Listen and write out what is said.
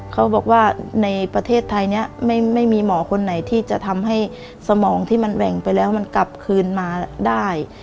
เขาบอกว่าในประเทศไทยนี้ไม่มีหมอคนไหนที่จะทำให้สมองที่มันแหว่งไปแล้วมันกลับคืนมาได้